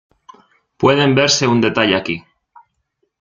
Pueden verse un detalle aquí.